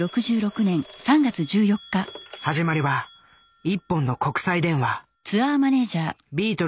始まりは一本の国際電話。